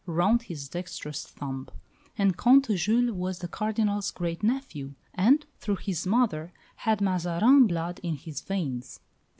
round his dexterous thumb; and Comte Jules was the Cardinal's great nephew, and, through his mother, had Mazarin blood in his veins.